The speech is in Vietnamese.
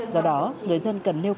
do đó người dân cần nêu cao